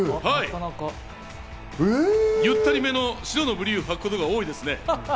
ゆったりめの白のブリーフをはくことが多いですね。